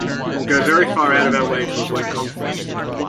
We'll go very far out of our way to avoid conflict.